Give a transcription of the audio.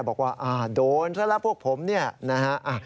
บอกว่าโดนถ้ารับพวกผมนี่นะฮะ